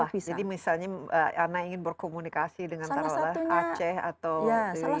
jadi misalnya mbak ana ingin berkomunikasi dengan acara atau di papua